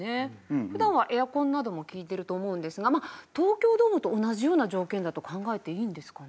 普段はエアコンなども利いてると思うんですが東京ドームと同じような条件だと考えていいんですかね？